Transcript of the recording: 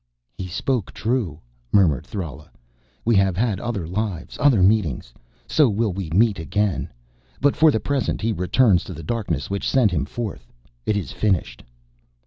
"He spoke true," murmured Thrala. "We have had other lives, other meetings so will we meet again. But for the present he returns to the darkness which sent him forth. It is finished."